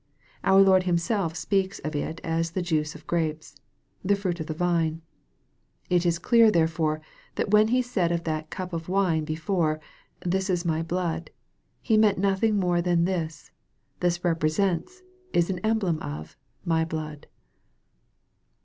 Out Lord himself speaks of it as the juice of grapes, " the fruit of the vine. 1 " 1 It is clear therefore, that when He said of that cup of wine before, " this is rry blood," He meant nothing more than this, " this repre sents is an emblem of my blood."